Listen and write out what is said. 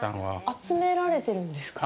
集められてるんですか？